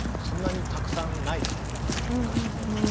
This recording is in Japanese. そんなにたくさんない時代だからさ昔って。